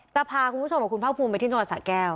จะพาคุณผู้ชมกับคุณภาคภูมิไปที่จังหวัดสะแก้ว